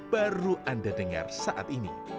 baru anda dengar saat ini